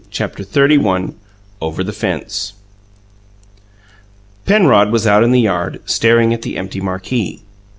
CHAPTER XXXI OVER THE FENCE Penrod was out in the yard, staring at the empty marquee.